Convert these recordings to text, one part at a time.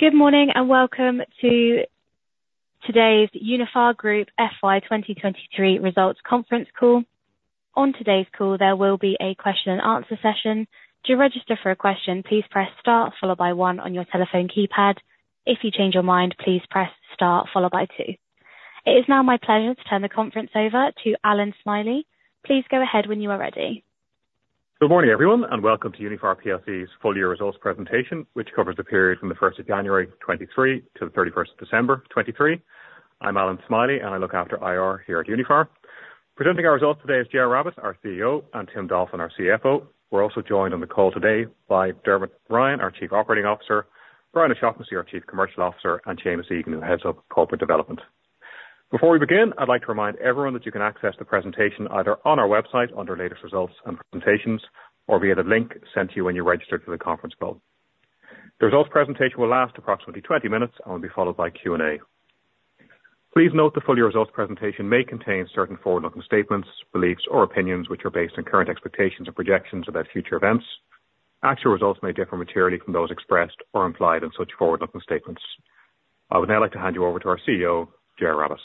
Good morning and welcome to today's Uniphar Group FY 2023 results conference call. On today's call, there will be a question-and-answer session. To register for a question, please press star followed by one on your telephone keypad. If you change your mind, please press star followed by two. It is now my pleasure to turn the conference over to Allan Smylie. Please go ahead when you are ready. Good morning, everyone, and welcome to Uniphar plc's full-year results presentation, which covers the period from the 1st of January 2023 to the 31st of December 2023. I'm Allan Smylie, and I look after IR here at Uniphar. Presenting our results today is Ger Rabbette, our CEO, and Tim Dolphin, our CFO. We're also joined on the call today by Dermot Ryan, our Chief Operating Officer, Brian O'Shaughnessy, our Chief Commercial Officer, and Seamus Egan, who Head of Corporate Development. Before we begin, I'd like to remind everyone that you can access the presentation either on our website under Latest Results and Presentations or via the link sent to you when you registered for the conference call. The results presentation will last approximately 20 minutes and will be followed by Q&A. Please note the full-year results presentation may contain certain forward-looking statements, beliefs, or opinions which are based on current expectations and projections about future events. Actual results may differ materially from those expressed or implied in such forward-looking statements. I would now like to hand you over to our CEO, Ger Rabbette.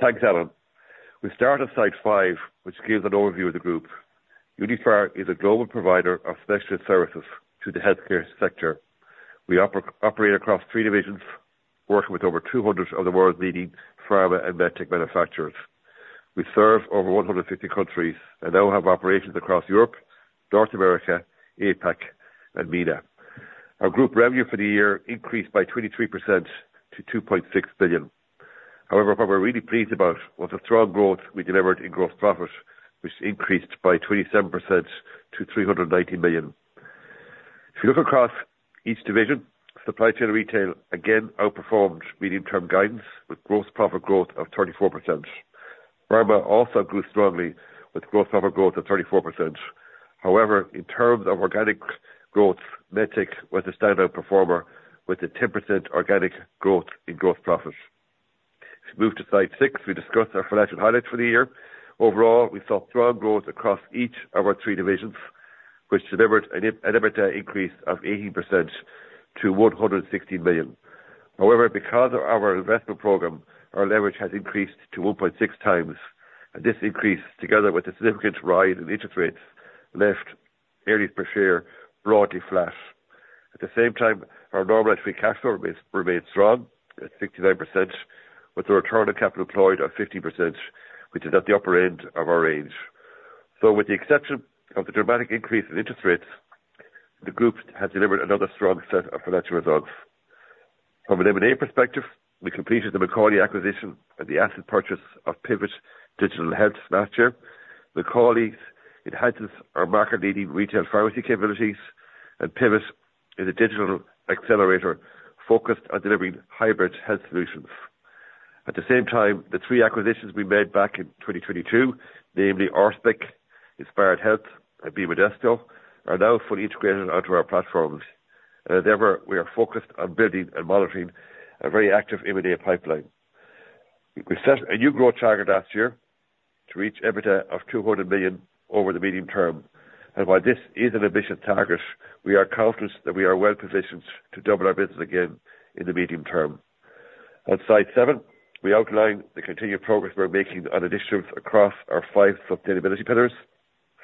Thanks, Allan. We start at slide five, which gives an overview of the group. Uniphar is a global provider of specialist services to the healthcare sector. We operate across three divisions, working with over 200 of the world's leading pharma and medtech manufacturers. We serve over 150 countries and now have operations across Europe, North America, APAC, and MENA. Our group revenue for the year increased by 23% to 2.6 billion. However, what we're really pleased about was the strong growth we delivered in gross profit, which increased by 27% to 390 million. If you look across each division, supply chain retail again outperformed medium-term guidance with gross profit growth of 34%. Pharma also grew strongly with gross profit growth of 34%. However, in terms of organic growth, medtech was a standout performer with a 10% organic growth in gross profit. If you move to slide six, we discuss our financial highlights for the year. Overall, we saw strong growth across each of our three divisions, which delivered an EBITDA increase of 18% to 116 million. However, because of our investment program, our leverage has increased to 1.6 times, and this increase together with a significant rise in interest rates left earnings per share broadly flat. At the same time, our normal equity cash flow remained strong at 69%, with a return on capital employed of 50%, which is at the upper end of our range. So, with the exception of the dramatic increase in interest rates, the group has delivered another strong set of financial results. From an M&A perspective, we completed the McCauley acquisition and the asset purchase of Pivot Digital Health last year. McCauley enhances our market-leading retail pharmacy capabilities, and Pivot Digital Health is a digital accelerator focused on delivering hybrid health solutions. At the same time, the three acquisitions we made back in 2022, namely acquired Inspired Health and BModesto, are now fully integrated onto our platforms, and therefore we are focused on building and monitoring a very active M&A pipeline. We set a new growth target last year to reach EBITDA of 200 million over the medium term, and while this is an ambitious target, we are confident that we are well positioned to double our business again in the medium term. On slide seven, we outline the continued progress we're making on additions across our five sustainability pillars.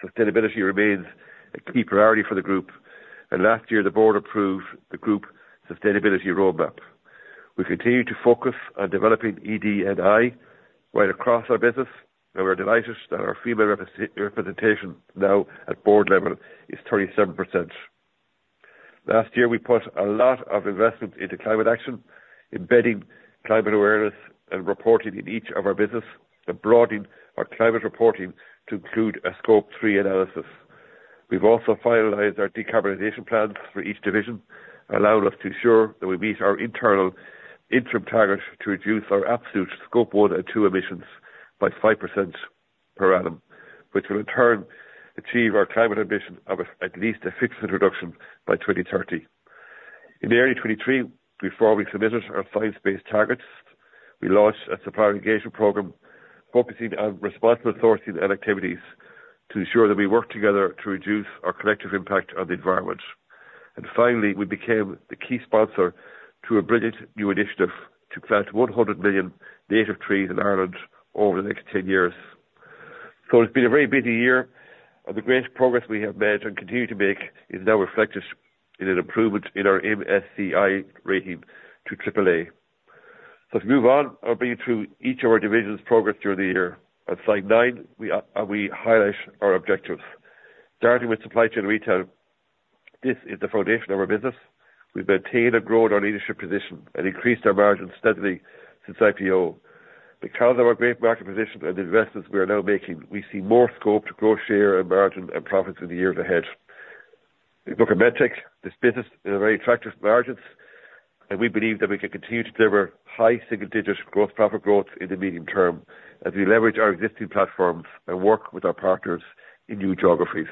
Sustainability remains a key priority for the group, and last year the board approved the group sustainability roadmap. We continue to focus on developing ED&I right across our business, and we're delighted that our female representation now at board level is 37%. Last year we put a lot of investment into climate action, embedding climate awareness and reporting in each of our businesses, and broadening our climate reporting to include a Scope 3 analysis. We've also finalized our decarbonization plans for each division, allowing us to ensure that we meet our internal interim target to reduce our absolute Scope 1 and 2 emissions by 5% per annum, which will in turn achieve our climate ambition of at least a fixed reduction by 2030. In early 2023, before we submitted our science-based targets, we launched a supplier engagement program focusing on responsible sourcing and activities to ensure that we work together to reduce our collective impact on the environment. Finally, we became the key sponsor to a brilliant new initiative to plant 100 million native trees in Ireland over the next 10 years. It's been a very busy year, and the great progress we have made and continue to make is now reflected in an improvement in our MSCI rating to AAA. If you move on, I'll bring you through each of our divisions' progress during the year. On slide nine, we highlight our objectives. Starting with Supply Chain Retail, this is the foundation of our business. We've maintained and grown our leadership position and increased our margins steadily since IPO. Because of our great market position and the investments we are now making, we see more scope to grow share and margin and profits in the years ahead. If you look at medtech, this business is in very attractive margins, and we believe that we can continue to deliver high single-digit gross profit growth in the medium term as we leverage our existing platforms and work with our partners in new geographies.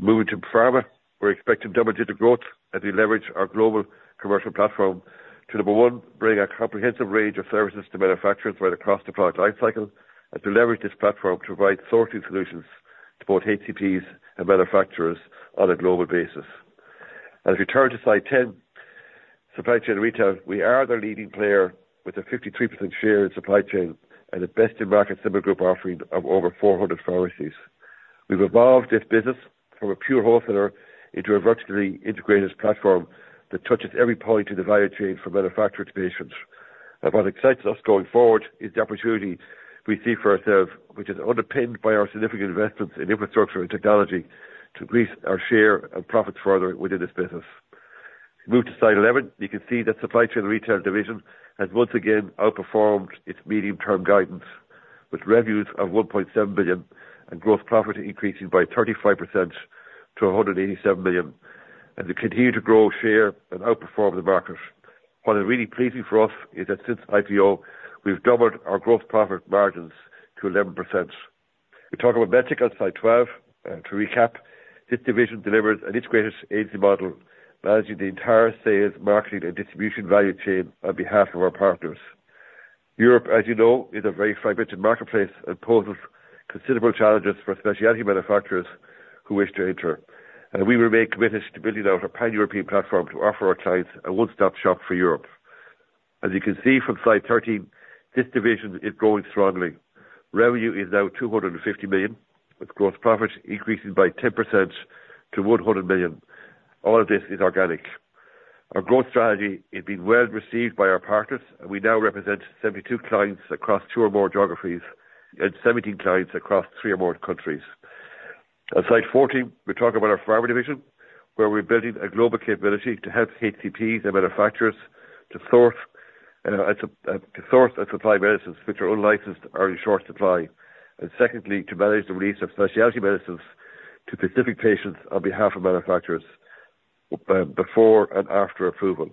Moving to pharma, we're expecting double-digit growth as we leverage our global commercial platform to, number one, bring a comprehensive range of services to manufacturers right across the product lifecycle as we leverage this platform to provide sourcing solutions to both HCPs and manufacturers on a global basis. And if you turn to slide 10, supply chain retail, we are the leading player with a 53% share in supply chain and the best-in-market Symbol Group offering of over 400 pharmacies. We've evolved this business from a pure wholesaler into a vertically integrated platform that touches every point in the value chain from manufacturer to patients. What excites us going forward is the opportunity we see for ourselves, which is underpinned by our significant investments in infrastructure and technology, to increase our share and profits further within this business. If you move to slide 11, you can see that Supply Chain Retail division has once again outperformed its medium-term guidance with revenues of 1.7 billion and gross profit increasing by 35% to 187 million, and to continue to grow share and outperform the market. What is really pleasing for us is that since IPO, we've doubled our gross profit margins to 11%. If you talk about MedTech on slide 12, to recap, this division delivers an integrated agency model managing the entire sales, marketing, and distribution value chain on behalf of our partners. Europe, as you know, is a very fragmented marketplace and poses considerable challenges for especially manufacturers who wish to enter, and we remain committed to building out a pan-European platform to offer our clients a one-stop shop for Europe. As you can see from slide 13, this division is growing strongly. Revenue is now 250 million with gross profit increasing by 10% to 100 million. All of this is organic. Our growth strategy has been well received by our partners, and we now represent 72 clients across two or more geographies and 17 clients across three or more countries. On slide 14, we talk about our pharma division, where we're building a global capability to help HCPs and manufacturers to source and supply medicines which are unlicensed or in short supply, and secondly, to manage the release of specialty medicines to specific patients on behalf of manufacturers before and after approval.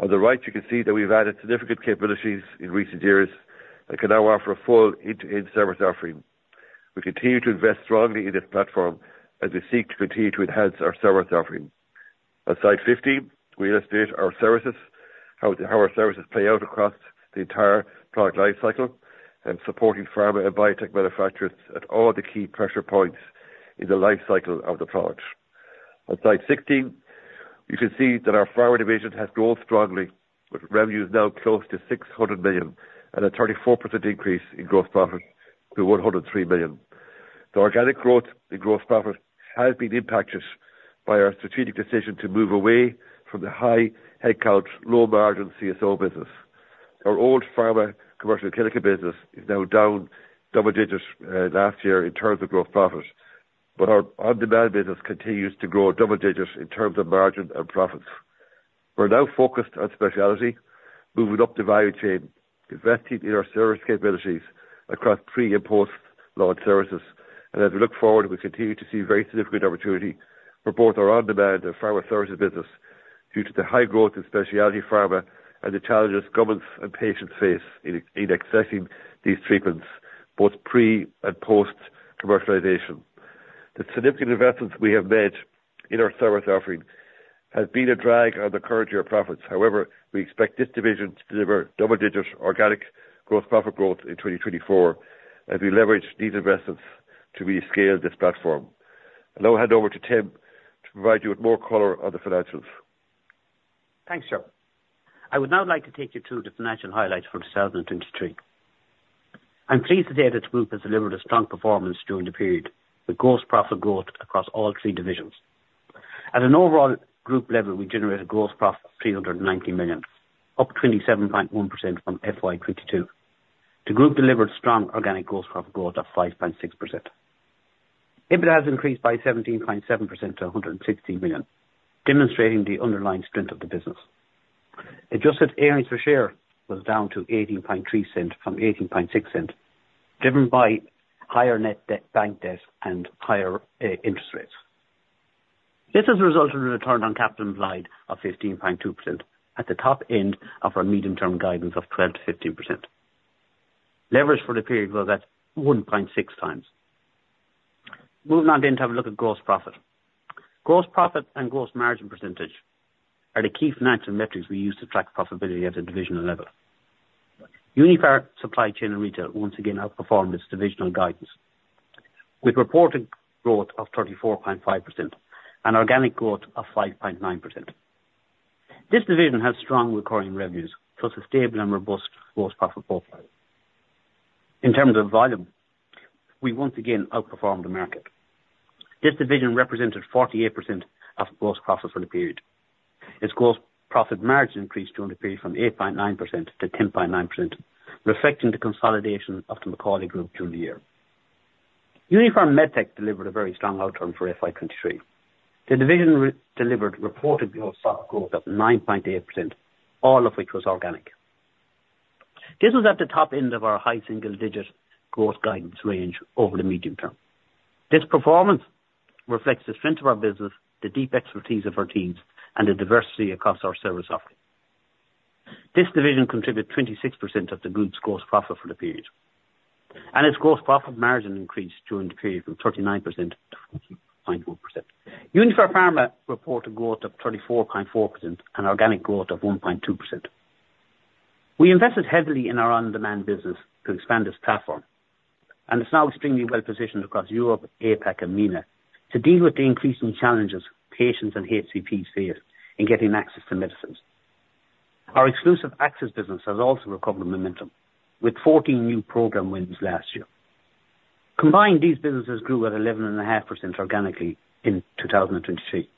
On the right, you can see that we've added significant capabilities in recent years and can now offer a full end-to-end service offering. We continue to invest strongly in this platform as we seek to continue to enhance our service offering. On slide 15, we illustrate our services, how our services play out across the entire product lifecycle, and supporting pharma and biotech manufacturers at all the key pressure points in the lifecycle of the product. On slide 16, you can see that our pharma division has grown strongly with revenues now close to 600 million and a 34% increase in gross profit to 103 million. The organic growth in gross profit has been impacted by our strategic decision to move away from the high headcount, low-margin CSO business. Our old pharma commercial clinical business is now down double digits last year in terms of gross profit, but our On Demand business continues to grow double digits in terms of margin and profits. We're now focused on specialty, moving up the value chain, investing in our service capabilities across pre- and post-launch services, and as we look forward, we continue to see very significant opportunity for both our On Demand and Pharma Services business due to the high growth in specialty pharma and the challenges governments and patients face in accessing these treatments, both pre and post-commercialization. The significant investments we have made in our service offering have been a drag on the current year profits. However, we expect this division to deliver double-digit organic gross profit growth in 2024 as we leverage these investments to rescale this platform. I now hand over to Tim to provide you with more color on the financials. Thanks, Ger. I would now like to take you through the financial highlights for 2023. I'm pleased to say that the group has delivered a strong performance during the period with gross profit growth across all three divisions. At an overall group level, we generated gross profit of 390 million, up 27.1% from FY 2022. The group delivered strong organic gross profit growth of 5.6%. EBITDA has increased by 17.7% to 160 million, demonstrating the underlying strength of the business. Adjusted earnings per share was down to 0.183 from 0.186, driven by higher net debt bank debt and higher interest rates. This has resulted in a return on capital employed of 15.2% at the top end of our medium-term guidance of 12%-15%. Leverage for the period was at 1.6x. Moving on then to have a look at gross profit. Gross profit and gross margin percentage are the key financial metrics we use to track profitability at a divisional level. Uniphar Supply Chain and Retail once again outperformed its divisional guidance with reported growth of 34.5% and organic growth of 5.9%. This division has strong recurring revenues for a sustainable and robust gross profit profile. In terms of volume, we once again outperformed the market. This division represented 48% of gross profit for the period. Its gross profit margin increased during the period from 8.9%-10.9%, reflecting the consolidation of the McCauley group during the year. Uniphar Medtech delivered a very strong outcome for FY 2023. The division delivered reported gross profit growth of 9.8%, all of which was organic. This was at the top end of our high single-digit growth guidance range over the medium term. This performance reflects the strength of our business, the deep expertise of our teams, and the diversity across our service offering. This division contributed 26% of the group's gross profit for the period, and its gross profit margin increased during the period from 39% to 14.1%. Uniphar Pharma reported growth of 34.4% and organic growth of 1.2%. We invested heavily in our On Demand business to expand this platform, and it's now extremely well positioned across Europe, APAC, and MENA to deal with the increasing challenges patients and HCPs face in getting access to medicines. Our exclusive access business has also recovered momentum with 14 new program wins last year. Combined, these businesses grew at 11.5% organically in 2023.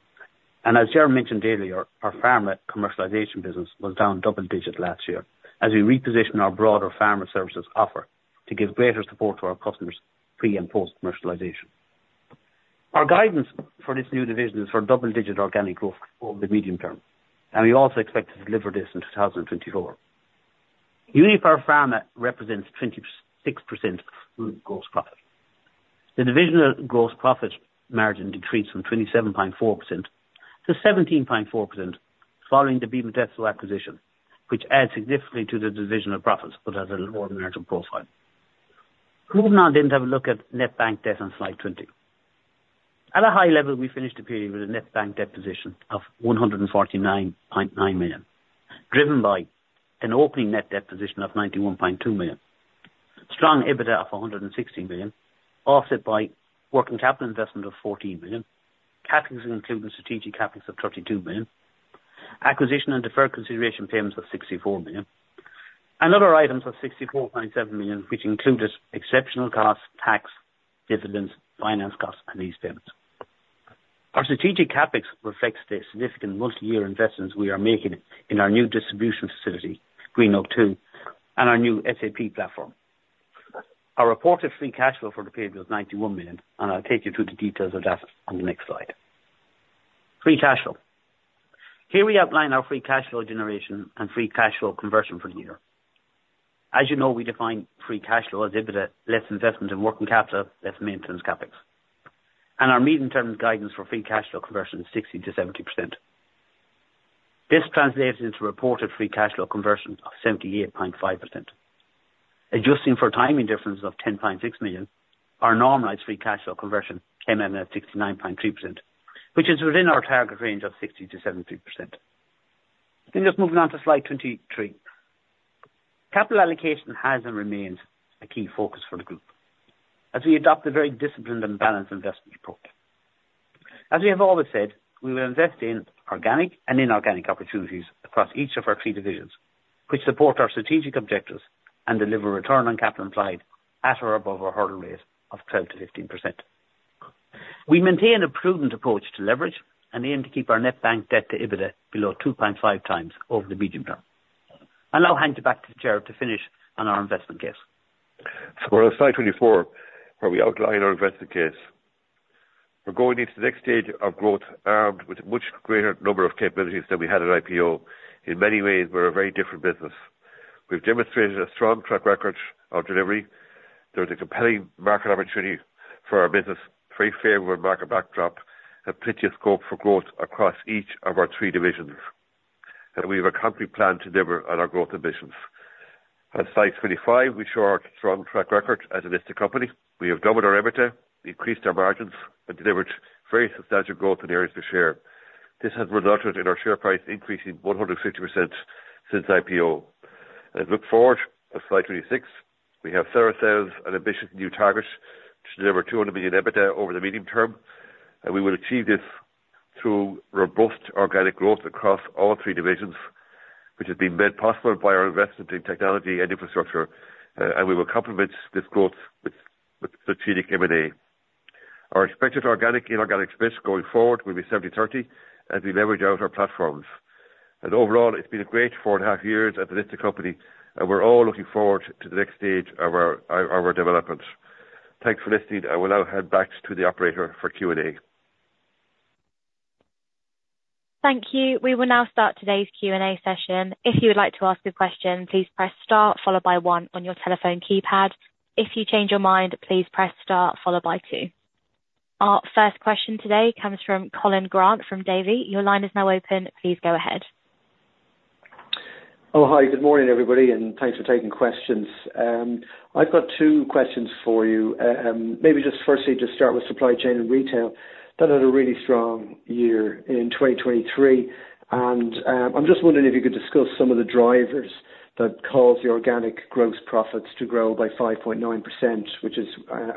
As Ger mentioned earlier, our pharma commercialization business was down double-digit last year as we repositioned our broader Pharma Services offer to give greater support to our customers pre- and post-commercialization. Our guidance for this new division is for double-digit organic growth over the medium term, and we also expect to deliver this in 2024. Uniphar Pharma represents 26% of group gross profit. The divisional gross profit margin decreased from 27.4% to 17.4% following the BModesto acquisition, which adds significantly to the divisional profits but has a lower margin profile. Moving on then to have a look at net bank debt on slide 20. At a high level, we finished the period with a net bank debt position of 149.9 million, driven by an opening net debt position of 91.2 million, strong EBITDA of 116 million, offset by working capital investment of 14 million, capex including strategic capex of 32 million, acquisition and deferred consideration payments of 64 million, and other items of 64.7 million, which included exceptional costs, tax, dividends, finance costs, and these payments. Our strategic capex reflect the significant multi-year investments we are making in our new distribution facility, Greenogue 2, and our new SAP platform. Our reported free cash flow for the period was 91 million, and I'll take you through the details of that on the next slide. Free cash flow. Here we outline our free cash flow generation and free cash flow conversion for the year. As you know, we define free cash flow as EBITDA less investment in working capital, less maintenance capex, and our medium-term guidance for free cash flow conversion is 60%-70%. This translates into reported free cash flow conversion of 78.5%. Adjusting for timing differences of 10.6 million, our normalized free cash flow conversion came in at 69.3%, which is within our target range of 60%-73%. Then just moving on to slide 23. Capital allocation has and remains a key focus for the group as we adopt a very disciplined and balanced investment approach. As we have always said, we will invest in organic and inorganic opportunities across each of our three divisions, which support our strategic objectives and deliver return on capital employed at or above our hurdle rate of 12%-15%. We maintain a prudent approach to leverage and aim to keep our net bank debt to EBITDA below 2.5 times over the medium term. I'll now hand you back to Gerard to finish on our investment case. So we're on slide 24 where we outline our investment case. We're going into the next stage of growth armed with a much greater number of capabilities than we had at IPO. In many ways, we're a very different business. We've demonstrated a strong track record on delivery. There's a compelling market opportunity for our business, very favorable market backdrop, and plenty of scope for growth across each of our three divisions. And we have a concrete plan to deliver on our growth ambitions. On slide 25, we show our strong track record as a listed company. We have doubled our EBITDA, increased our margins, and delivered very substantial growth in earnings per share. This has resulted in our share price increasing 150% since IPO. As we look forward, on slide 26, we have set an ambitious new target to deliver 200 million EBITDA over the medium term, and we will achieve this through robust organic growth across all three divisions, which has been made possible by our investment in technology and infrastructure, and we will complement this growth with strategic M&A. Our expected organic/inorganic split going forward will be 70/30 as we leverage out our platforms. Overall, it's been a great 4.5 years as a listed company, and we're all looking forward to the next stage of our development. Thanks for listening. I will now hand back to the operator for Q&A. Thank you. We will now start today's Q&A session. If you would like to ask a question, please press star followed by one on your telephone keypad. If you change your mind, please press star followed by two. Our first question today comes from Colin Grant from Davy. Your line is now open. Please go ahead. Oh, hi. Good morning, everybody, and thanks for taking questions. I've got two questions for you. Maybe just firstly, just start with Supply Chain and Retail had a really strong year in 2023, and I'm just wondering if you could discuss some of the drivers that cause the organic gross profits to grow by 5.9%, which is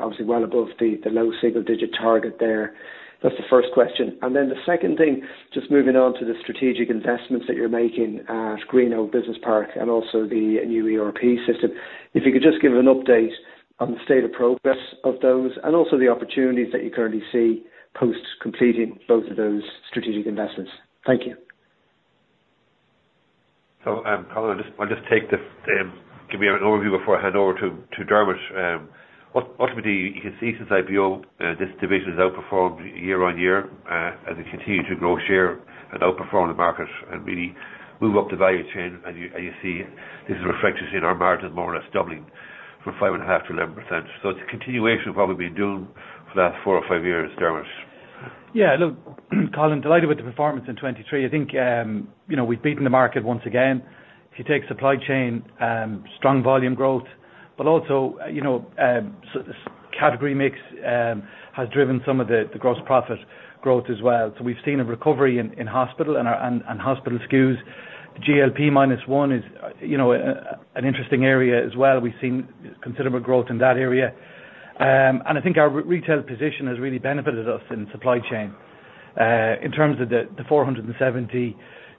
obviously well above the low single-digit target there. That's the first question. And then the second thing, just moving on to the strategic investments that you're making at Greenogue Business Park and also the new ERP system, if you could just give an update on the state of progress of those and also the opportunities that you currently see post-completing both of those strategic investments. Thank you. So Colin, I'll just give you an overview before I hand over to Dermot. Ultimately, you can see since IPO, this division has outperformed year-on-year as it continued to grow share and outperform the market and really move up the value chain, and you see this reflects you seeing our margins more or less doubling from 5.5%-11%. So it's a continuation of what we've been doing for the last four or five years, Dermot. Yeah. Look, Colin, delighted with the performance in 2023. I think we've beaten the market once again. If you take supply chain, strong volume growth, but also category mix has driven some of the gross profit growth as well. So we've seen a recovery in hospital and hospital SKUs. GLP-1 is an interesting area as well. We've seen considerable growth in that area. And I think our retail position has really benefited us in supply chain in terms of the 470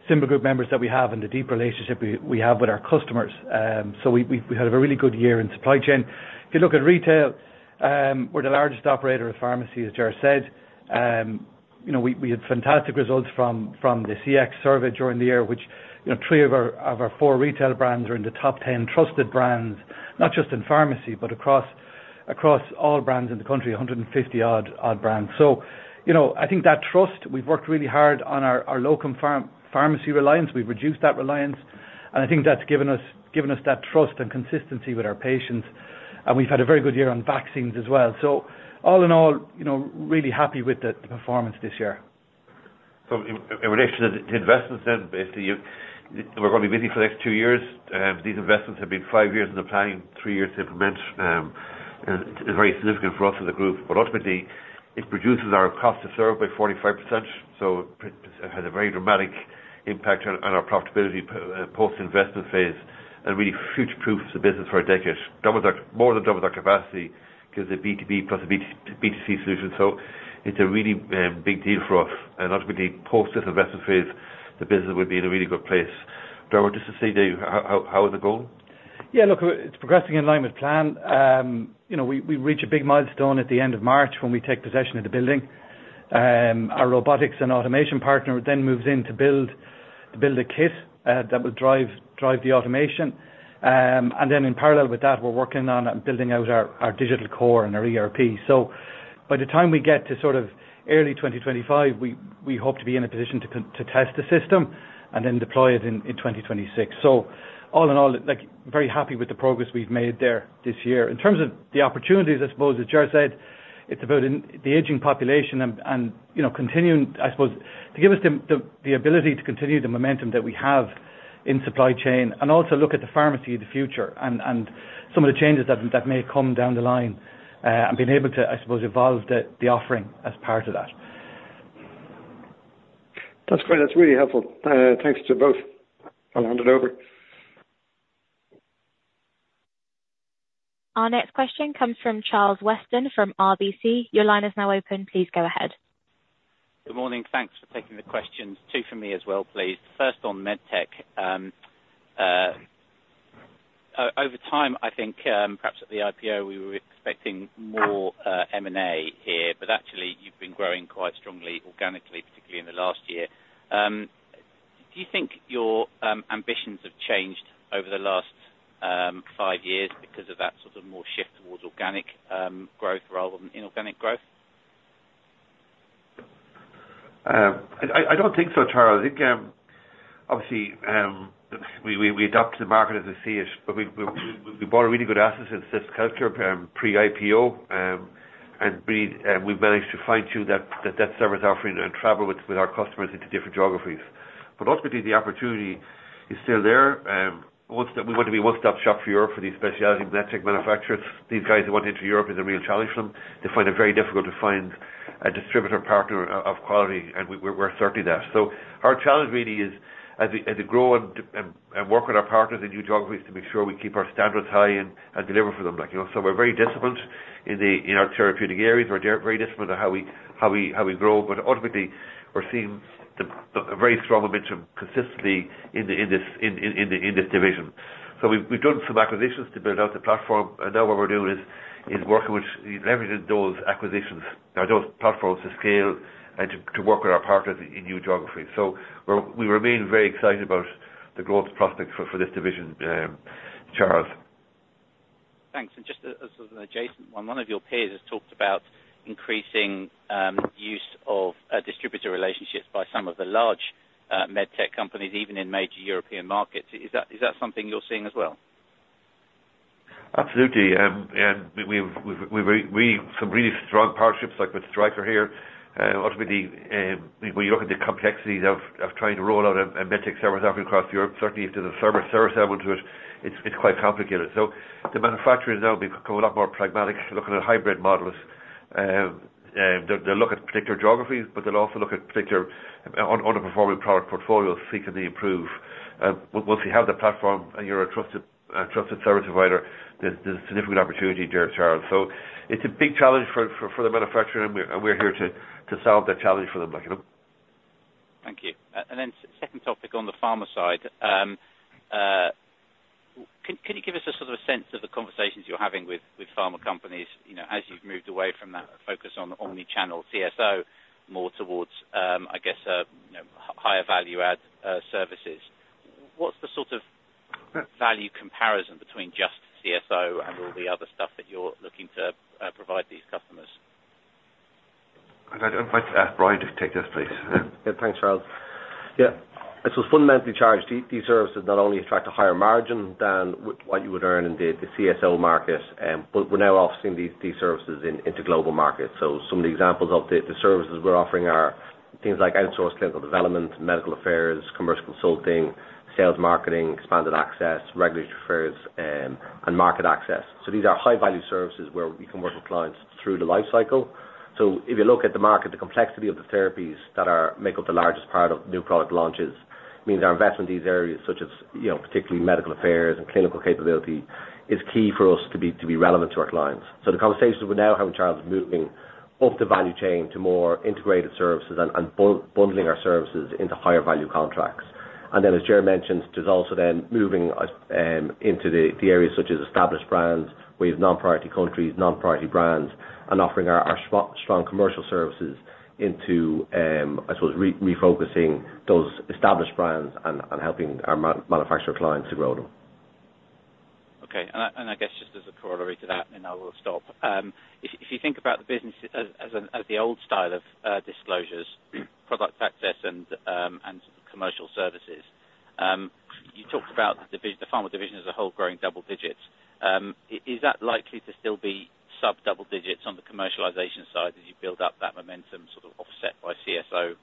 Symbol Group members that we have and the deep relationship we have with our customers. So we've had a really good year in supply chain. If you look at retail, we're the largest operator of pharmacies, Ger said. We had fantastic results from the CX survey during the year, which three of our four retail brands are in the top 10 trusted brands, not just in pharmacy but across all brands in the country, 150-odd brands. So I think that trust, we've worked really hard on our locum pharmacy reliance. We've reduced that reliance, and I think that's given us that trust and consistency with our patients. And we've had a very good year on vaccines as well. So all in all, really happy with the performance this year. So in relation to the investments then, basically, we're going to be busy for the next two years. These investments have been five years in the planning, three years to implement, and it's very significant for us as a group. But ultimately, it reduces our cost of service by 45%, so it has a very dramatic impact on our profitability post-investment phase and really future-proofs the business for a decade, more than double our capacity because of the B2B plus the B2C solution. So it's a really big deal for us. And ultimately, post this investment phase, the business would be in a really good place. Dermot, just to say to you, how is it going? Yeah. Look, it's progressing in line with plan. We reach a big milestone at the end of March when we take possession of the building. Our robotics and automation partner then moves in to build a kit that will drive the automation. And then in parallel with that, we're working on building out our digital core and our ERP. So by the time we get to sort of early 2025, we hope to be in a position to test the system and then deploy it in 2026. So all in all, very happy with the progress we've made there this year. In terms of the opportunities, I suppose, as Gerard said, it's about the aging population and continuing, I suppose, to give us the ability to continue the momentum that we have in supply chain and also look at the pharmacy of the future and some of the changes that may come down the line and being able to, I suppose, evolve the offering as part of that. That's great. That's really helpful. Thanks to both. I'll hand it over. Our next question comes from Charles Weston from RBC. Your line is now open. Please go ahead. Good morning. Thanks for taking the questions. Two for me as well, please. The first on Medtech. Over time, I think perhaps at the IPO, we were expecting more M&A here, but actually, you've been growing quite strongly organically, particularly in the last year. Do you think your ambitions have changed over the last five years because of that sort of more shift towards organic growth rather than inorganic growth? I don't think so, Charles. I think obviously, we adapt to the market as we see it, but we bought a really good asset Sisk Healthcare pre-IPO, and we've managed to fine-tune that service offering and travel with our customers into different geographies. But ultimately, the opportunity is still there. We want to be a one-stop shop for Europe for these specialty medtech manufacturers. These guys that want to enter Europe is a real challenge for them. They find it very difficult to find a distributor partner of quality, and we're certainly that. So our challenge really is as we grow and work with our partners in new geographies to make sure we keep our standards high and deliver for them. So we're very disciplined in our therapeutic areas. We're very disciplined on how we grow, but ultimately, we're seeing a very strong momentum consistently in this division. We've done some acquisitions to build out the platform, and now what we're doing is leveraging those acquisitions, those platforms to scale and to work with our partners in new geographies. We remain very excited about the growth prospects for this division, Charles. Thanks. Just as an adjacent one, one of your peers has talked about increasing use of distributor relationships by some of the large Medtech companies, even in major European markets. Is that something you're seeing as well? Absolutely. And we have some really strong partnerships like with Stryker here. Ultimately, when you look at the complexities of trying to roll out a Medtech service offering across Europe, certainly if there's a service element to it, it's quite complicated. So the manufacturers now have become a lot more pragmatic, looking at hybrid models. They'll look at particular geographies, but they'll also look at particular underperforming product portfolios, seeking to improve. Once you have the platform and you're a trusted service provider, there's a significant opportunity, Charles. So it's a big challenge for the manufacturer, and we're here to solve that challenge for them. Thank you. Then second topic on the pharma side. Can you give us a sort of a sense of the conversations you're having with pharma companies as you've moved away from that focus on omnichannel CSO more towards, I guess, higher value-add services? What's the sort of value comparison between just CSO and all the other stuff that you're looking to provide these customers? I'd like to ask Brian to take this, please. Yeah. Thanks, Charles. Yeah. I suppose fundamentally charged, these services not only attract a higher margin than what you would earn in the CSO market, but we're now offering these services into global markets. So some of the examples of the services we're offering are things like outsourced clinical development, medical affairs, commercial consulting, sales marketing, Expanded Access, regulatory affairs, and market access. So these are high-value services where you can work with clients through the lifecycle. So if you look at the market, the complexity of the therapies that make up the largest part of new product launches means our investment in these areas, such as particularly medical affairs and clinical capability, is key for us to be relevant to our clients. So the conversations we're now having, Charles, are moving off the value chain to more integrated services and bundling our services into higher-value contracts. Then, as Gerard mentioned, there's also then moving into the areas such as established brands, where you have non-priority countries, non-priority brands, and offering our strong commercial services into, I suppose, refocusing those established brands and helping our manufacturer clients to grow them. Okay. And I guess just as a corollary to that, and then I will stop, if you think about the business as the old style of disclosures, Product Access, and commercial services, you talked about the pharma division as a whole growing double digits. Is that likely to still be sub-double digits on the commercialization side as you build up that momentum sort of offset by CSO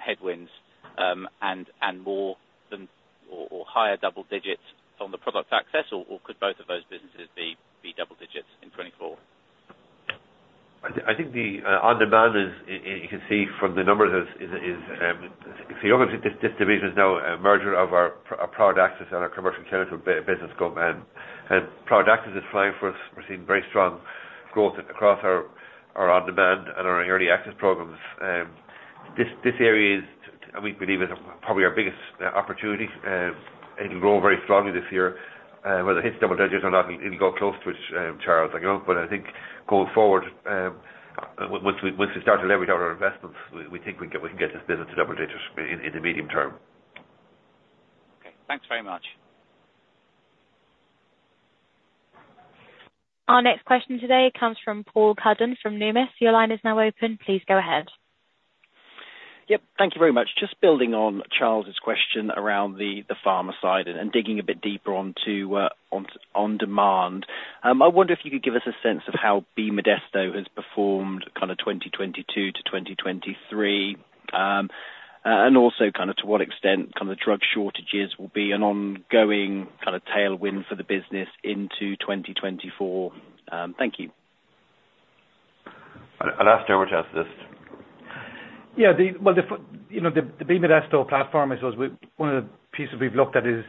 headwinds and more than or higher double digits on the Product Access, or could both of those businesses be double digits in 2024? I think the On Demand, as you can see from the numbers, is if you look at this division, it's now a merger of our product access and our commercial clinical business. Product access is flying for us. We're seeing very strong growth across our On Demand and our early access programs. This area is, and we believe, is probably our biggest opportunity. It'll grow very strongly this year. Whether it hits double digits or not, it'll go close to it, Charles, but I think going forward, once we start to leverage out our investments, we think we can get this business to double digits in the medium term. Okay. Thanks very much. Our next question today comes from Paul Cuddon from Numis. Your line is now open. Please go ahead. Yep. Thank you very much. Just building on Charles's question around the pharma side and digging a bit deeper onto On Demand, I wonder if you could give us a sense of how BModesto has performed kind of 2022 to 2023 and also kind of to what extent kind of drug shortages will be an ongoing kind of tailwind for the business into 2024. Thank you. I'd ask Dermot to ask this. Yeah. Well, the BModesto platform, I suppose, one of the pieces we've looked at is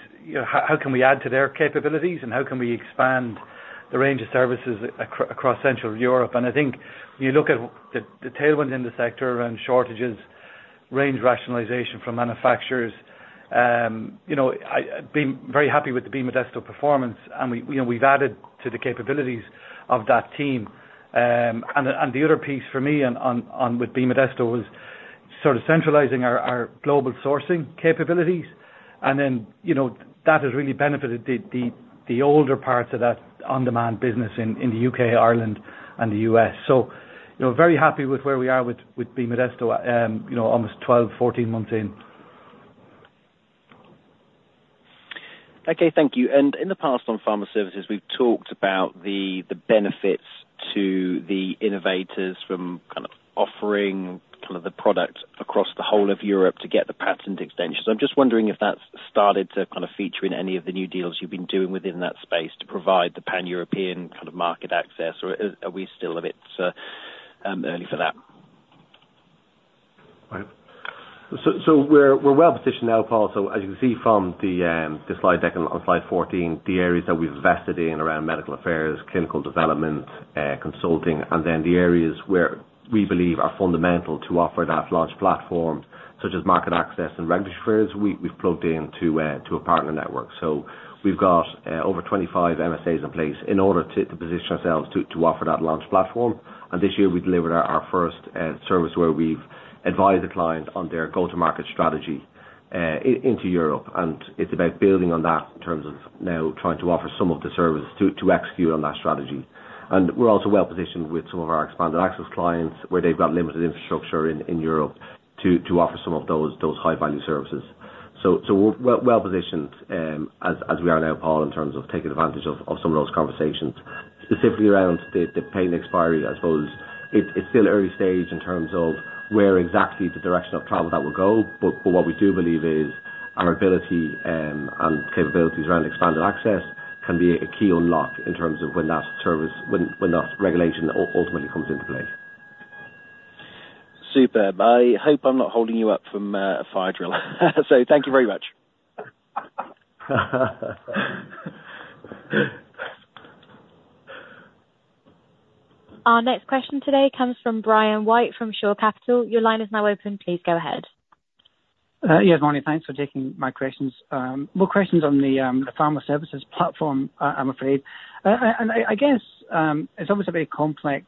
how can we add to their capabilities, and how can we expand the range of services across central Europe? And I think when you look at the tailwinds in the sector around shortages, range rationalization from manufacturers, I've been very happy with the BModesto performance, and we've added to the capabilities of that team. And the other piece for me with BModesto was sort of centralizing our global sourcing capabilities. And then that has really benefited the older parts of that On Demand business in the U.K., Ireland, and the U.S. So very happy with where we are with BModesto, almost 12-14 months in. Okay. Thank you. In the past, on Pharma Services, we've talked about the benefits to the innovators from kind of offering kind of the product across the whole of Europe to get the patent extensions. I'm just wondering if that's started to kind of feature in any of the new deals you've been doing within that space to provide the pan-European kind of market access, or are we still a bit early for that? Right. So we're well positioned now, Paul. So as you can see from the slide deck on slide 14, the areas that we've invested in around medical affairs, clinical development, consulting, and then the areas where we believe are fundamental to offer that launch platform, such as market access and regulatory affairs, we've plugged into a partner network. So we've got over 25 MSAs in place in order to position ourselves to offer that launch platform. And this year, we delivered our first service where we've advised the client on their go-to-market strategy into Europe. And it's about building on that in terms of now trying to offer some of the services to execute on that strategy. And we're also well positioned with some of our Expanded Access clients where they've got limited infrastructure in Europe to offer some of those high-value services. So we're well positioned as we are now, Paul, in terms of taking advantage of some of those conversations. Specifically around the patent expiry, I suppose, it's still early stage in terms of where exactly the direction of travel that will go, but what we do believe is our ability and capabilities around Expanded Access can be a key unlock in terms of when that service, when that regulation ultimately comes into play. Super. I hope I'm not holding you up from a fire drill. Thank you very much. Our next question today comes from Brian White from Shore Capital. Your line is now open. Please go ahead. Yes, morning. Thanks for taking my questions. More questions on the Pharma Services platform, I'm afraid. And I guess it's obviously a very complex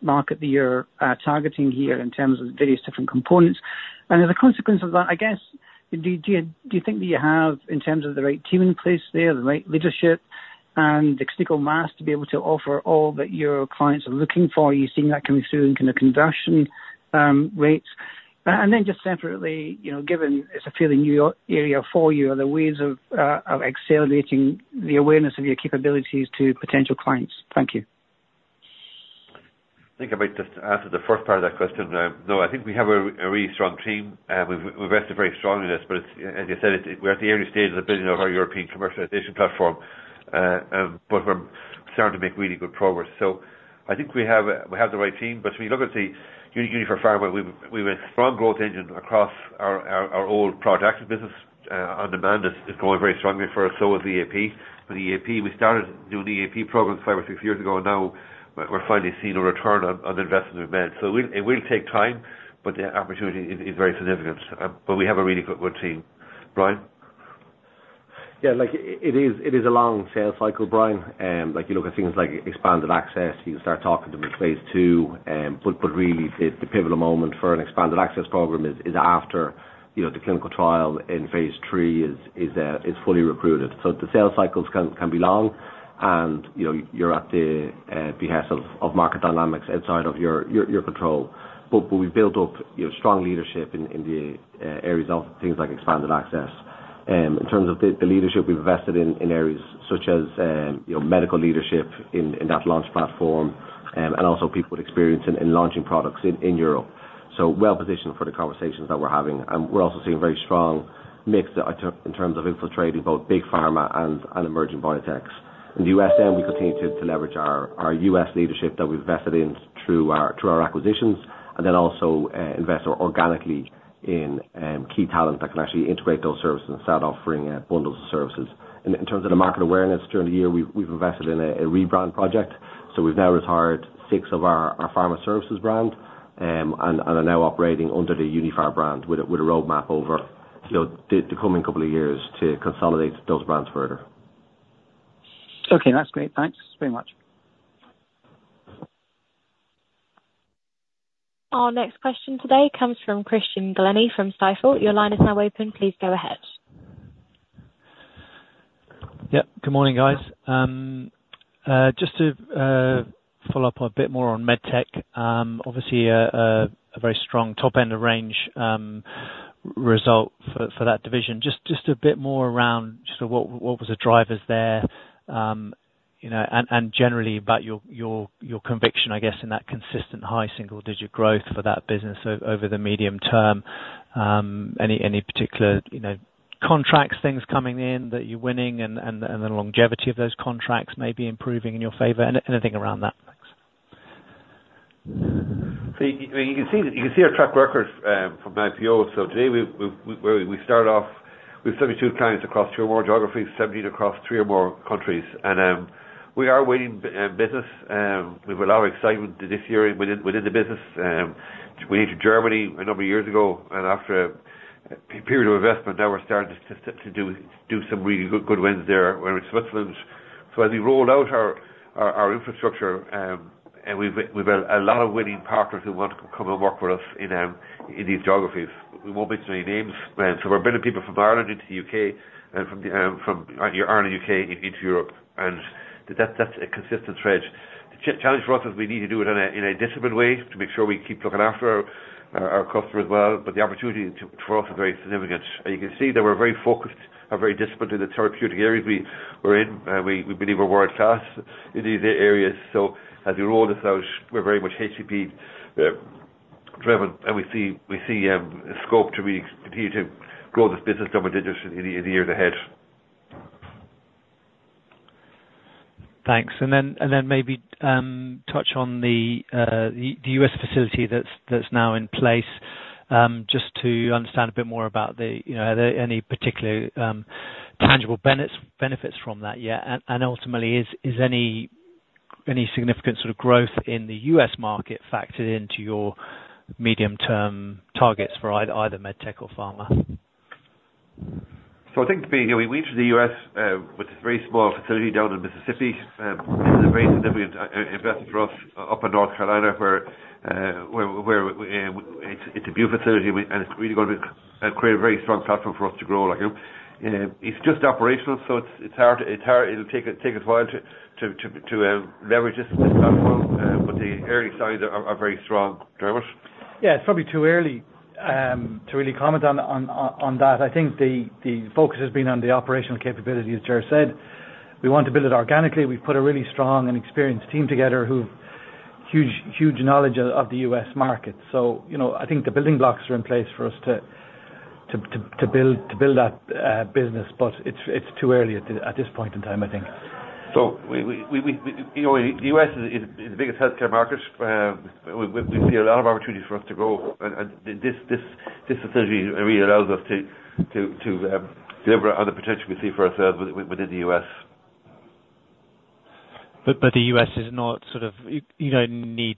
market that you're targeting here in terms of various different components. And as a consequence of that, I guess, do you think that you have, in terms of the right team in place there, the right leadership and the critical mass to be able to offer all that your clients are looking for? You're seeing that coming through in kind of conversion rates? And then just separately, given it's a fairly new area for you, are there ways of accelerating the awareness of your capabilities to potential clients? Thank you. I think I might just answer the first part of that question. No, I think we have a really strong team. We've invested very strongly in this, but as you said, we're at the early stage of building out our European commercialization platform, but we're starting to make really good progress. So I think we have the right team. But when you look at the Uniphar Pharma, we have a strong growth engine across our Product Access business. On Demand is growing very strongly for us. So is the EAP. With the EAP, we started doing EAP programs five or six years ago, and now we're finally seeing a return on the investment we've made. So it will take time, but the opportunity is very significant. But we have a really good team. Brian? Yeah. It is a long sales cycle, Brian. You look at things like Expanded Access, you can start talking to them in phase II, but really, the pivotal moment for an Expanded Access program is after the clinical trial in phase III is fully recruited. So the sales cycles can be long, and you're at the behest of market dynamics outside of your control. But we've built up strong leadership in the areas of things like Expanded Access. In terms of the leadership, we've invested in areas such as medical leadership in that launch platform and also people with experience in launching products in Europe. So well positioned for the conversations that we're having. And we're also seeing a very strong mix in terms of infiltrating both big pharma and emerging biotechs. In the U.S., then, we continue to leverage our U.S. leadership that we've invested in through our acquisitions and then also invest organically in key talent that can actually integrate those services instead of offering bundles of services. In terms of the market awareness during the year, we've invested in a rebrand project. We've now retired six of our Pharma Services brands and are now operating under the Uniphar brand with a roadmap over the coming couple of years to consolidate those brands further. Okay. That's great. Thanks very much. Our next question today comes from Christian Glennie from Stifel. Your line is now open. Please go ahead. Yep. Good morning, guys. Just to follow up a bit more on Medtech, obviously, a very strong top-end of range result for that division. Just a bit more around sort of what was the drivers there and generally about your conviction, I guess, in that consistent high single-digit growth for that business over the medium term. Any particular contracts, things coming in that you're winning, and the longevity of those contracts maybe improving in your favour? Anything around that? Thanks. You can see our track record from IPO. Today, we start off with 72 clients across two or more geographies, 17 across three or more countries. We are a winning business. We have a lot of excitement this year within the business. We needed Germany a number of years ago, and after a period of investment, now we're starting to do some really good wins there where it's Switzerland. As we roll out our infrastructure, we've got a lot of winning partners who want to come and work with us in these geographies. We won't mention any names. We're bringing people from Ireland into the U.K. and from Ireland, U.K., into Europe. That's a consistent thread. The challenge for us is we need to do it in a disciplined way to make sure we keep looking after our customers well, but the opportunity for us is very significant. You can see that we're very focused, are very disciplined in the therapeutic areas we're in. We believe we're world-class in these areas. As we roll this out, we're very much HCP-driven, and we see scope to continue to grow this business double digits in the years ahead. Thanks. And then maybe touch on the U.S. facility that's now in place just to understand a bit more about, are there any particular tangible benefits from that yet? And ultimately, is any significant sort of growth in the U.S. market factored into your medium-term targets for either Medtech or pharma? I think we entered the U.S. with a very small facility down in Mississippi. This is a very significant investment for us up in North Carolina where it's a new facility, and it's really going to create a very strong platform for us to grow. It's just operational, so it'll take us a while to leverage this platform, but the early signs are very strong, Seamus. Yeah. It's probably too early to really comment on that. I think the focus has been on the operational capabilities, Ger said. We want to build it organically. We've put a really strong and experienced team together who have huge knowledge of the U.S. market. So I think the building blocks are in place for us to build that business, but it's too early at this point in time, I think. The U.S. is the biggest healthcare market. We see a lot of opportunities for us to grow, and this facility really allows us to deliver on the potential we see for ourselves within the U.S. But the U.S. is not sort of you don't need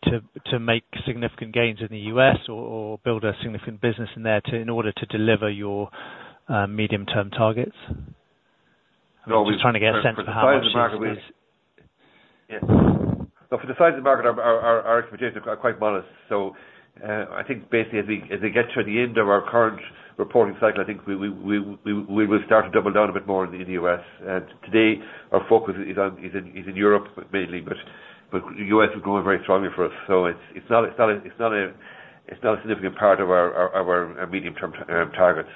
to make significant gains in the U.S. or build a significant business in there in order to deliver your medium-term targets? I'm just trying to get a sense for how much this is. No, for the size of the market, our expectations are quite modest. So I think basically, as we get to the end of our current reporting cycle, I think we will start to double down a bit more in the U.S. And today, our focus is in Europe mainly, but the U.S. is growing very strongly for us. So it's not a significant part of our medium-term targets.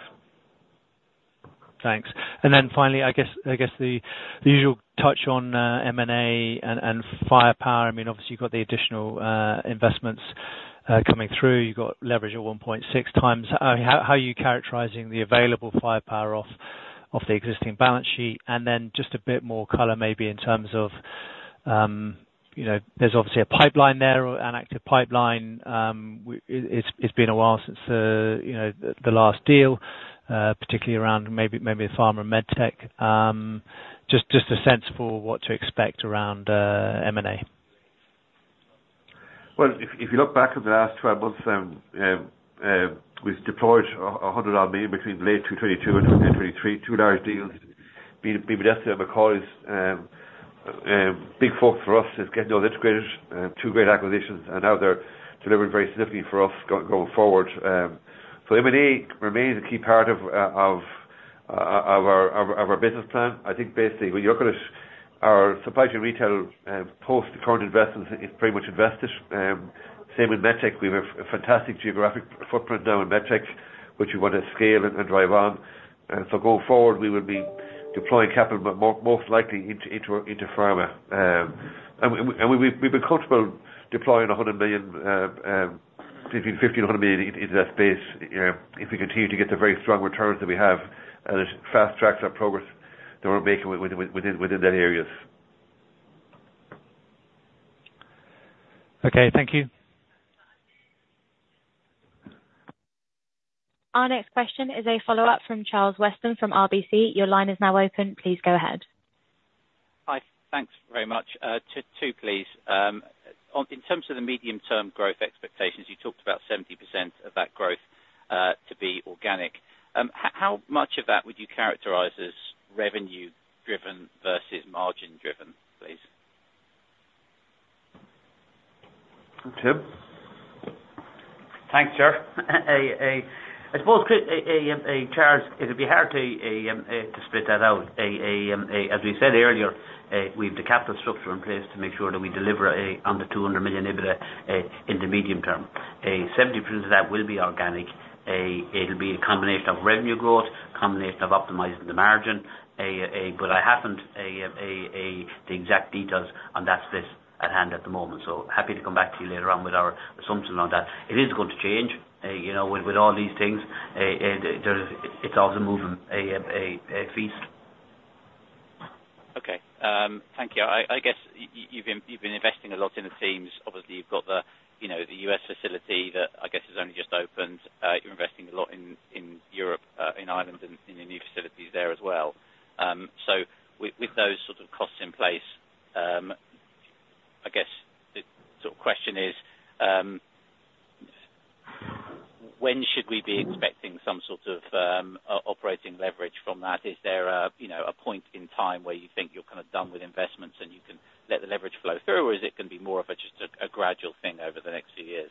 Thanks. And then finally, I guess the usual touch on M&A and firepower. I mean, obviously, you've got the additional investments coming through. You've got leverage at 1.6x. How are you characterizing the available firepower off the existing balance sheet? And then just a bit more color maybe in terms of there's obviously a pipeline there, an active pipeline. It's been a while since the last deal, particularly around maybe the pharma and Medtech. Just a sense for what to expect around M&A. Well, if you look back at the last 12 months, we've deployed 100 million between late 2022 and 2023, two large deals. BModesto and McCauley is big focus for us is getting those integrated. Two great acquisitions, and now they're delivering very significantly for us going forward. So M&A remains a key part of our business plan. I think basically, when you look at our supply chain retail post the current investments, it's pretty much invested. Same with Medtech. We have a fantastic geographic footprint now in Medtech, which we want to scale and drive on. So going forward, we will be deploying capital most likely into pharma. And we've been comfortable deploying 100 million, between 15 million and 100 million, into that space if we continue to get the very strong returns that we have and it fast-tracks our progress that we're making within those areas. Okay. Thank you. Our next question is a follow-up from Charles Weston from RBC. Your line is now open. Please go ahead. Hi. Thanks very much. Two, please. In terms of the medium-term growth expectations, you talked about 70% of that growth to be organic. How much of that would you characterize as revenue-driven versus margin-driven, please? Tim? Thanks, Ger. I suppose, Charles, it'll be hard to split that out. As we said earlier, we have the capital structure in place to make sure that we deliver under 200 million EBITDA in the medium term. 70% of that will be organic. It'll be a combination of revenue growth, a combination of optimizing the margin. But I haven't the exact details, and that's this at hand at the moment. So happy to come back to you later on with our assumptions on that. It is going to change with all these things. It's obviously moving a feast. Okay. Thank you. I guess you've been investing a lot in the teams. Obviously, you've got the U.S. facility that, I guess, has only just opened. You're investing a lot in Europe, in Ireland, and in the new facilities there as well. So with those sort of costs in place, I guess the sort of question is, when should we be expecting some sort of operating leverage from that? Is there a point in time where you think you're kind of done with investments and you can let the leverage flow through, or is it going to be more of just a gradual thing over the next few years?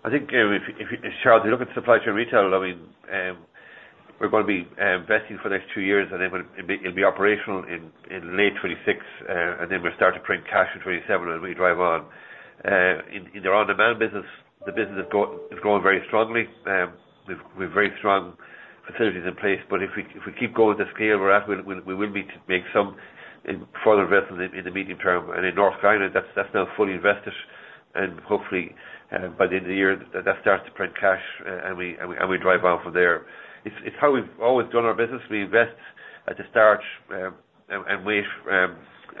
I think, Charles, if you look at supply chain retail, I mean, we're going to be investing for the next two years, and then it'll be operational in late 2026, and then we'll start to print cash in 2027 and re-drive on. In the On Demand business, the business is growing very strongly. We have very strong facilities in place, but if we keep going at the scale we're at, we will need to make some further investment in the medium term. And in North Carolina, that's now fully invested. And hopefully, by the end of the year, that starts to print cash, and we drive on from there. It's how we've always done our business. We invest at the start and wait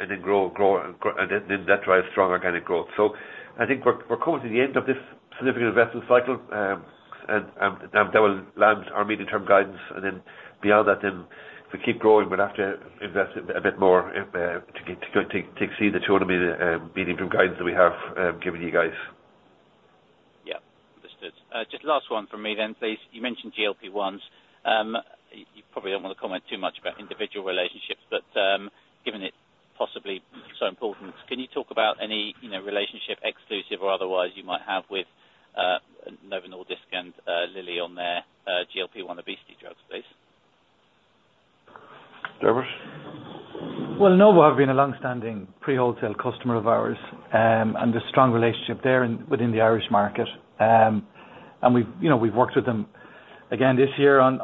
and then grow, and then that drives strong organic growth. I think we're coming to the end of this significant investment cycle, and that will land our medium-term guidance. Then beyond that, then if we keep growing, we'll have to invest a bit more to exceed the EUR 200 million medium-term guidance that we have given you guys. Yep. Understood. Just last one from me then, please. You mentioned GLP-1s. You probably don't want to comment too much about individual relationships, but given it's possibly so important, can you talk about any relationship, exclusive or otherwise, you might have with Novo Nordisk and Lilly on their GLP-1 obesity drugs, please? Seamus? Well, Novo have been a longstanding pre-wholesale customer of ours and a strong relationship there within the Irish market. And we've worked with them, again, this year on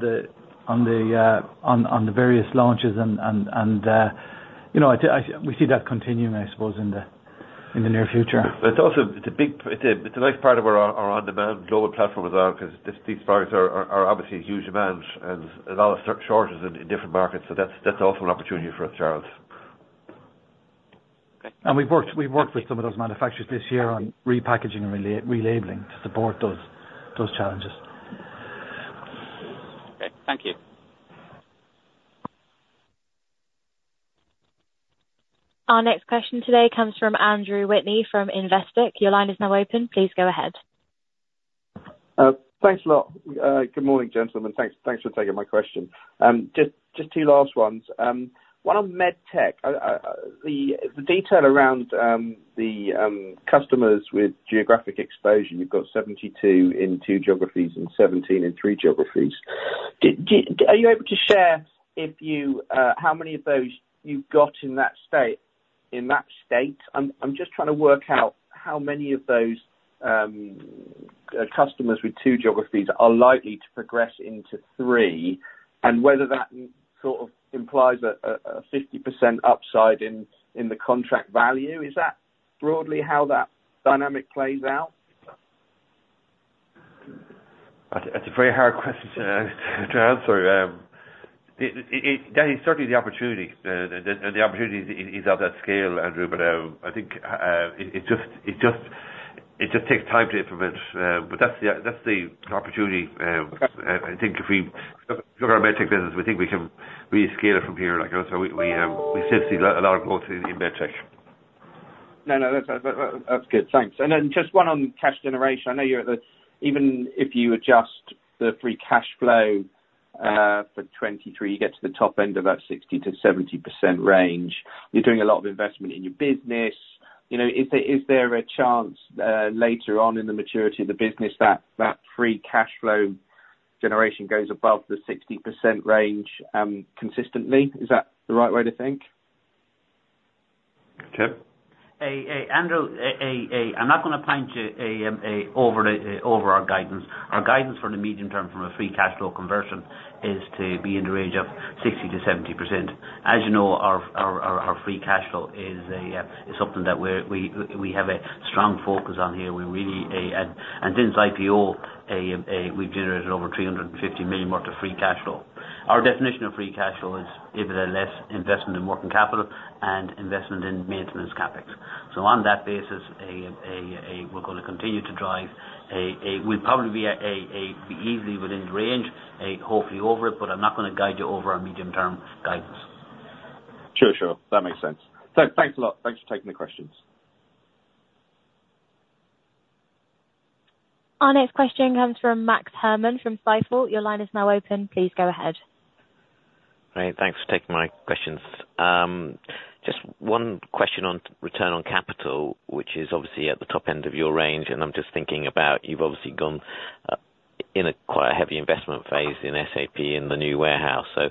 the various launches, and we see that continuing, I suppose, in the near future. But it's also a nice part of where our On Demand global platform is at because these products are obviously a huge demand and a lot of shortages in different markets. So that's also an opportunity for us, Charles. We've worked with some of those manufacturers this year on repackaging and relabeling to support those challenges. Okay. Thank you. Our next question today comes from Andrew Whitney from Investec. Your line is now open. Please go ahead. Thanks a lot. Good morning, gentlemen. Thanks for taking my question. Just two last ones. One on Medtech. The detail around the customers with geographic exposure, you've got 72 in two geographies and 17 in three geographies. Are you able to share how many of those you've got in that state? I'm just trying to work out how many of those customers with two geographies are likely to progress into three and whether that sort of implies a 50% upside in the contract value. Is that broadly how that dynamic plays out? That's a very hard question to answer. It's certainly the opportunity. The opportunity is at that scale, Andrew, but I think it just takes time to implement. But that's the opportunity. I think if we look at our Medtech business, we think we can really scale it from here. We still see a lot of growth in Medtech. No, no. That's good. Thanks. And then just one on cash generation. I know even if you adjust the free cash flow for 2023, you get to the top end of that 60%-70% range. You're doing a lot of investment in your business. Is there a chance later on in the maturity of the business that free cash flow generation goes above the 60% range consistently? Is that the right way to think? Tim? Andrew, I'm not going to punt you over our guidance. Our guidance for the medium term from a free cash flow conversion is to be in the range of 60%-70%. As you know, our free cash flow is something that we have a strong focus on here. Since IPO, we've generated over 350 million worth of free cash flow. Our definition of free cash flow is EBITDA less investment in working capital and investment in maintenance CapEx. So on that basis, we're going to continue to drive. We'll probably be easily within the range, hopefully over it, but I'm not going to guide you over our medium-term guidance. Sure, sure. That makes sense. Thanks a lot. Thanks for taking the questions. Our next question comes from Max Herrmann from Stifel. Your line is now open. Please go ahead. Great. Thanks for taking my questions. Just one question on return on capital, which is obviously at the top end of your range, and I'm just thinking about you've obviously gone in quite a heavy investment phase in SAP in the new warehouse. So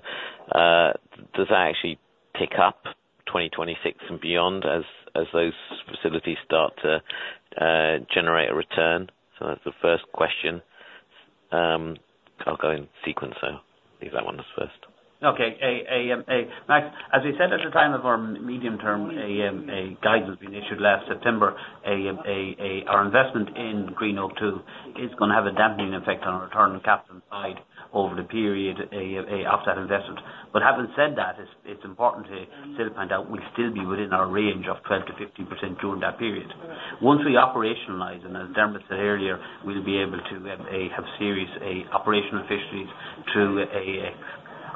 does that actually pick up 2026 and beyond as those facilities start to generate a return? So that's the first question. I'll go in sequence, so leave that one as first. Okay. Max, as we said at the time of our medium-term guidance being issued last September, our investment in Greenogue 2 is going to have a dampening effect on our return on capital side over the period after that investment. But having said that, it's important to still find out we'll still be within our range of 12%-15% during that period. Once we operationalize, and as Dermot said earlier, we'll be able to have serious operational efficiencies to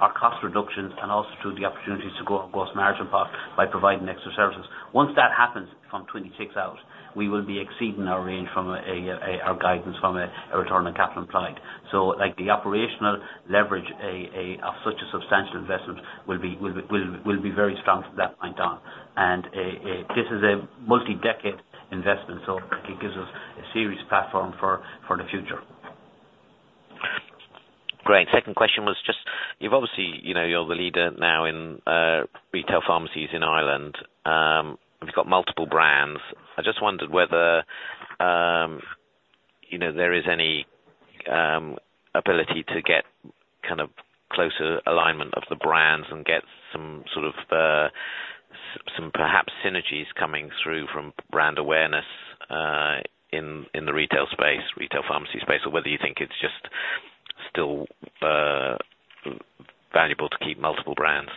our cost reductions and also to the opportunities to grow our gross margin path by providing extra services. Once that happens. From 2026 out, we will be exceeding our range from our guidance from a return on capital employed. So the operational leverage of such a substantial investment will be very strong from that point on. This is a multi-decade investment, so it gives us a serious platform for the future. Great. Second question was just you're obviously the leader now in retail pharmacies in Ireland. You've got multiple brands. I just wondered whether there is any ability to get kind of closer alignment of the brands and get some sort of perhaps synergies coming through from brand awareness in the retail space, retail pharmacy space, or whether you think it's just still valuable to keep multiple brands?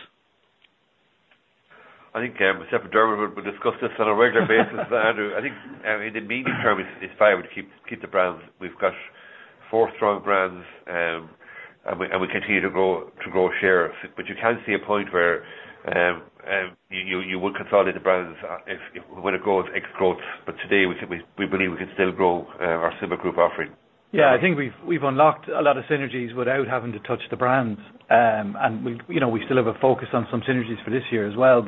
I think except for Dermot, we discuss this on a regular basis, Andrew. I think in the medium term, it's viable to keep the brands. We've got four strong brands, and we continue to grow share. But you can see a point where you would consolidate the brands when it goes ex-growth. But today, we believe we can still grow our symbol group offering. Yeah. I think we've unlocked a lot of synergies without having to touch the brands. We still have a focus on some synergies for this year as well.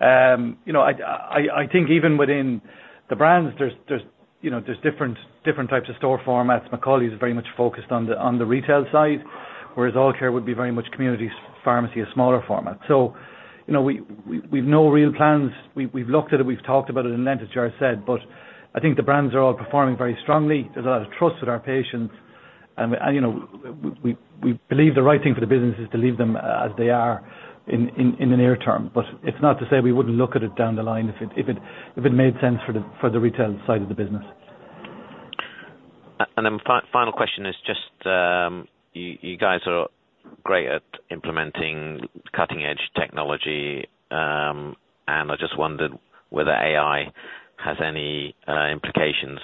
I think even within the brands, there's different types of store formats. McCauley is very much focused on the retail side, whereas Allcare would be very much community pharmacy, a smaller format. We've no real plans. We've looked at it. We've talked about it, and then as Gerard said, I think the brands are all performing very strongly. There's a lot of trust with our patients, and we believe the right thing for the business is to leave them as they are in the near term. It's not to say we wouldn't look at it down the line if it made sense for the retail side of the business. Final question is just you guys are great at implementing cutting-edge technology, and I just wondered whether AI has any implications,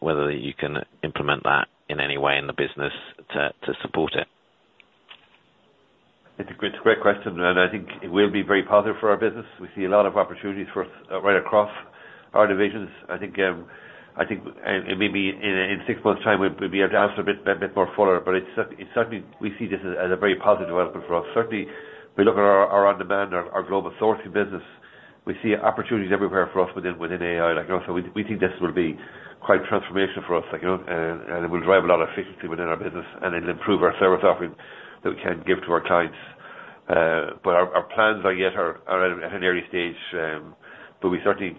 whether you can implement that in any way in the business to support it? It's a great question, and I think it will be very positive for our business. We see a lot of opportunities right across our divisions. I think maybe in six months' time, we'll be able to answer a bit more fuller. But we see this as a very positive development for us. Certainly, we look at our On Demand, our global sourcing business. We see opportunities everywhere for us within AI. So we think this will be quite transformational for us, and it will drive a lot of efficiency within our business, and it'll improve our service offering that we can give to our clients. But our plans are yet at an early stage. But certainly,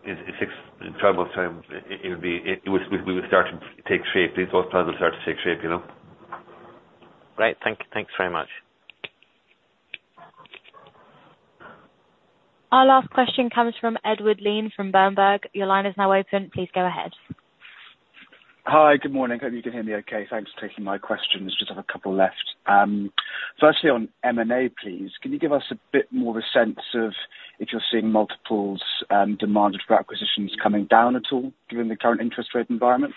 in 12 months' time, it would be we would start to take shape. Those plans will start to take shape. Great. Thanks very much. Our last question comes from Edward Leane from Berenberg. Your line is now open. Please go ahead. Hi. Good morning. I hope you can hear me okay. Thanks for taking my questions. Just have a couple left. First, on M&A, please, can you give us a bit more of a sense of if you're seeing multiples demanded for acquisitions coming down at all given the current interest rate environment?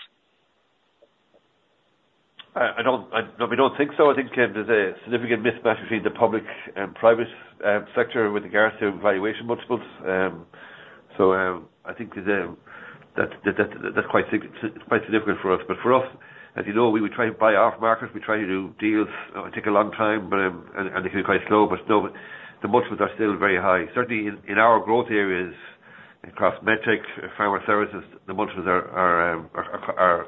I don't think so. I think there's a significant mismatch between the public and private sector with regards to valuation multiples. I think that's quite significant for us. But for us, as you know, we try to buy off markets. We try to do deals. It takes a long time, and they can be quite slow. But no, the multiples are still very high. Certainly, in our growth areas across Medtech, Pharma Services, the multiples are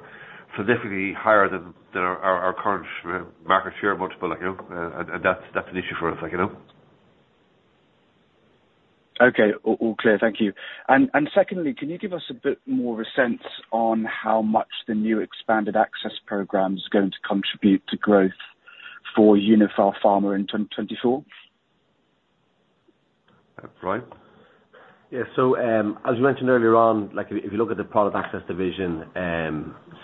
significantly higher than our current market share multiple. That's an issue for us. Okay. All clear. Thank you. And secondly, can you give us a bit more of a sense on how much the new Expanded Access program's going to contribute to growth for Uniphar Pharma in 2024? Right. Yeah. So as we mentioned earlier on, if you look at the Product Access division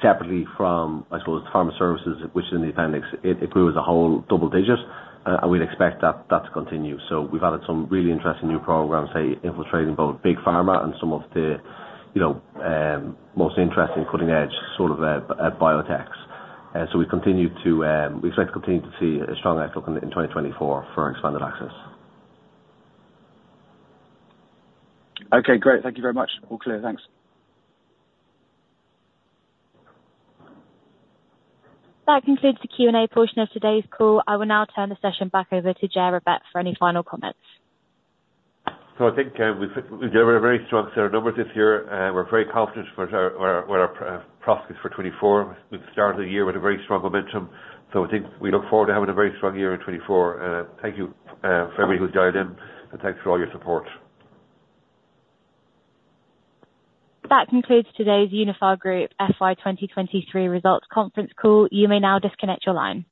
separately from, I suppose, Pharma Services, which is in the appendix, it grew as a whole double-digit, and we'd expect that to continue. So we've added some really interesting new programs, say, infiltrating both big pharma and some of the most interesting cutting-edge sort of biotechs. So we expect to continue to see a strong outlook in 2024 for Expanded Access. Okay. Great. Thank you very much. All clear. Thanks. That concludes the Q&A portion of today's call. I will now turn the session back over to Ger Rabbette for any final comments. So I think we've got a very strong set of numbers this year. We're very confident with our prospects for 2024. We've started the year with a very strong momentum, so I think we look forward to having a very strong year in 2024. Thank you for everybody who's dialed in, and thanks for all your support. That concludes today's Uniphar Group FY 2023 results conference call. You may now disconnect your line.